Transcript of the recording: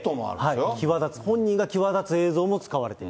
際立つ、本人が際立つ映像も使われている。